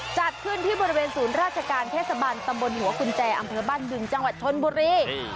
จัดขึ้นที่บริเวณศูนย์ราชการเทศบันตำบลหัวกุญแจอำเภอบ้านบึงจังหวัดชนบุรี